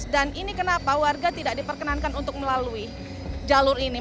dan ini kenapa warga tidak diperkenankan untuk melalui jalur ini